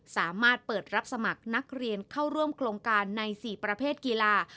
สามารถเปิดรับสมัครนักเรียนเข้าร่วมโครงการใน๔ประเภทกีฬา